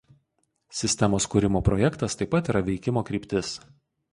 Sistemos kūrimo projektas taip pat yra veikimo kryptis.